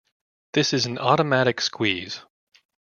This is an automatic squeeze.